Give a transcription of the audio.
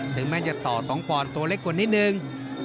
ถึงแม้จะต่อ๒ปอนดตัวเล็กกว่านิดนึง